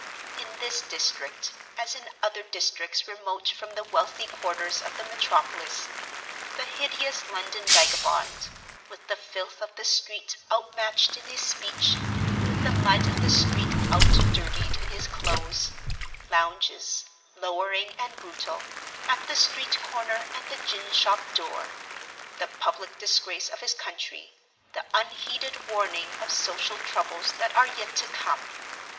In this district, as in other districts remote from the wealthy quarters of the metropolis, the hideous London vagabond—with the filth of the street outmatched in his speech, with the mud of the street outdirtied in his clothes—lounges, lowering and brutal, at the street corner and the gin shop door; the public disgrace of his country, the unheeded warning of social troubles that are yet to come.